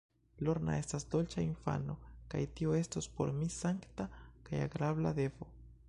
Lorna estas dolĉa infano, kaj tio estos por mi sankta kaj agrabla devo.